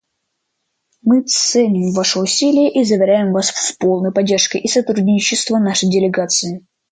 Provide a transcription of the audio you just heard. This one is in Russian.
Мы ценим ваши усилия и заверяем вас в полной поддержке и сотрудничестве нашей делегации.